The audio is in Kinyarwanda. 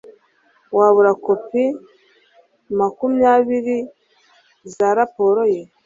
Wabura kopi makumyabiri za raporo ye?